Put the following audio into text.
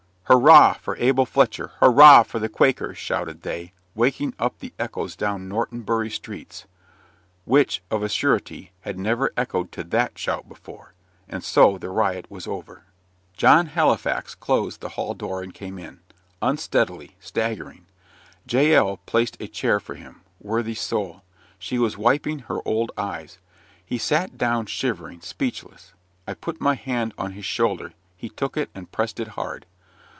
"Hurrah for Abel Fletcher! hurrah for the Quakers!" shouted they, waking up the echoes down Norton Bury streets; which, of a surety, had never echoed to THAT shout before. And so the riot was over. John Halifax closed the hall door and came in unsteadily staggering. Jael placed a chair for him worthy soul! she was wiping her old eyes. He sat down, shivering, speechless. I put my hand on his shoulder; he took it and pressed it hard.